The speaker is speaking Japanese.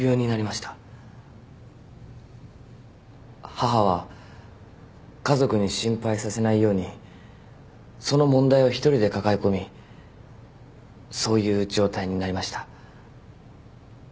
母は家族に心配させないようにその問題を１人で抱え込みそういう状態になりました。